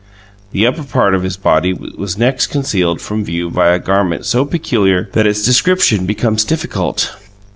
The upper part of his body was next concealed from view by a garment so peculiar that its description becomes difficult.